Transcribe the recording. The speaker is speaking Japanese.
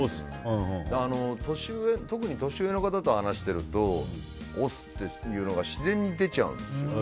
特に年上の方と話してると押忍っていうのが自然に出ちゃうんですよ。